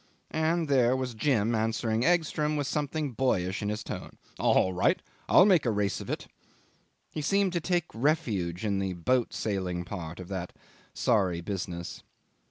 And there was Jim answering Egstrom with something boyish in his tone. "All right. I'll make a race of it." He seemed to take refuge in the boat sailing part of that sorry business.